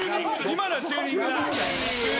今のはチューニングな。